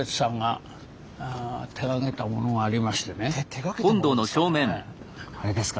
手がけたものですか？